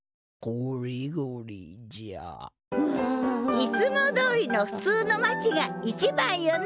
いつもどおりのふつうの町がいちばんよね！